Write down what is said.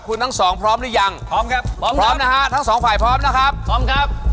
คุณทั้งสองพร้อมหรือยังพร้อมครับพร้อมพร้อมนะฮะทั้งสองฝ่ายพร้อมนะครับพร้อมครับ